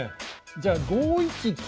じゃあ５一金。